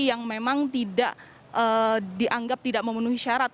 yang memang tidak dianggap tidak memenuhi syarat